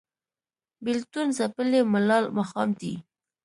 بیلتون ځپلی ملال ماښام دی